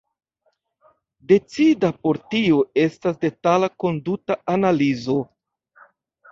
Decida por tio estas detala konduta analizo.